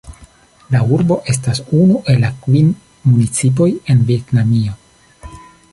La urbo estas unu el la kvin municipoj en Vjetnamio.